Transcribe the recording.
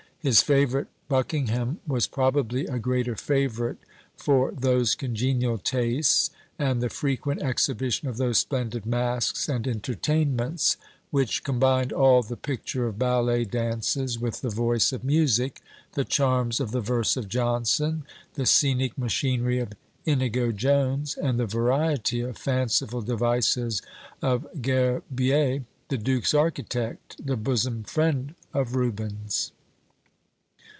His favourite Buckingham was probably a greater favourite for those congenial tastes, and the frequent exhibition of those splendid masques and entertainments, which combined all the picture of ballet dances with the voice of music; the charms of the verse of Jonson, the scenic machinery of Inigo Jones, and the variety of fanciful devices of Gerbier, the duke's architect, the bosom friend of Rubens.